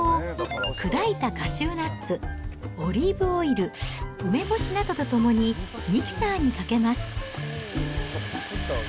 その野草を、砕いたカシューナッツ、オリーブオイル、梅干しなどとともに、ミキサーにかけます。